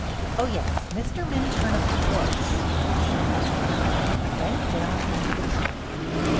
"Oh, yes, Mr. Minturne, of course," Betty said hastily, and bent down into the trunk.